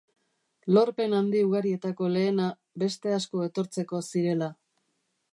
Lorpen handi ugarietako lehena, beste asko etortzeko zirela.